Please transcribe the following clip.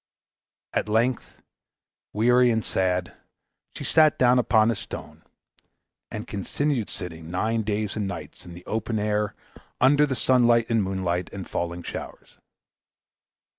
At length, weary and sad, she sat down upon a stone, and continued sitting nine days and nights, in the open air, under the sunlight and moonlight and falling showers.